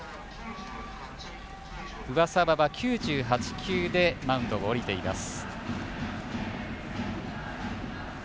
上沢は９８球でマウンドを降りています。